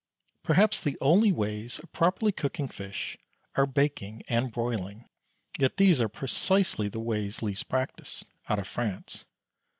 Perhaps the only ways of properly cooking fish are baking and broiling, yet these are precisely the ways least practised out of France.